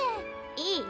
いい？